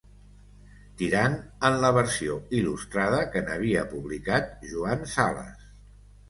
Tirant en la versió il·lustrada que n'havia publicat Joan Sales.